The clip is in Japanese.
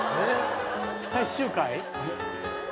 最終回？